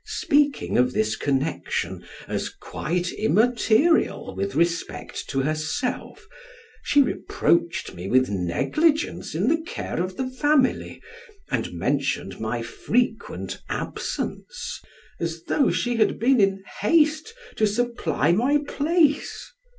Speaking of this connection as quite immaterial with respect to herself, she reproached me with negligence in the care of the family, and mentioned my frequent absence, as though she had been in haste to supply my place.